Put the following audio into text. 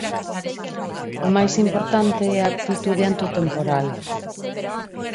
O máis importante é a actitude ante o temporal.